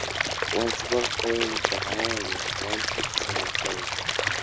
Wadsworth fue enterrado en el Brompton Cemetery.